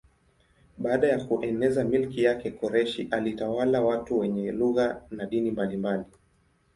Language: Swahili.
Baada ya kueneza milki yake Koreshi alitawala watu wenye lugha na dini mbalimbali.